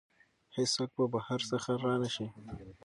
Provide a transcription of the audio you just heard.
هیڅوک به بهر څخه را نه شي.